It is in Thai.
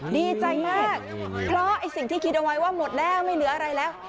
ดีใจมากเพราะไอ้สิ่งที่คิดเอาไว้ว่าหมดแล้วไม่เหลืออะไรแล้ว